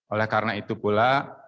oleh karena itu pula